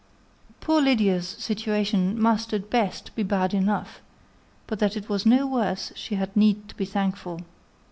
Poor Lydia's situation must, at best, be bad enough; but that it was no worse, she had need to be thankful.